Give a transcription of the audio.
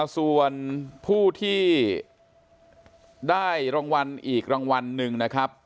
ส่วนผู้ที่ได้รางวัลอีกรางวัลหนึ่งนะครับ